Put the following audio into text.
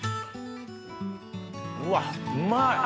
うわうまい！